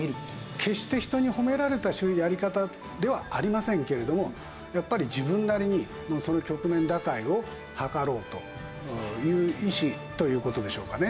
決して人に褒められたやり方ではありませんけれどもやっぱり自分なりにその局面打開を図ろうという意志という事でしょうかね。